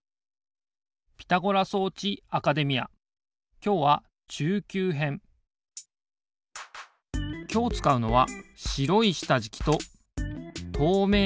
きょうはきょうつかうのはしろいしたじきととうめいなしたじき。